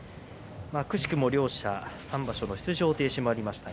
くしくも両者、３場所の出場停止がありました。